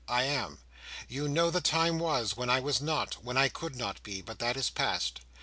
I am. You know the time was, when I was not—when I could not be—but that is past.